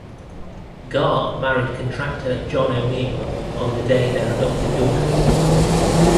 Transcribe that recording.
Garr married contractor John O'Neil on the day their adopted daughter was born.